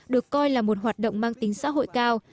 được coi là một hoạt động mang tính xã hội cao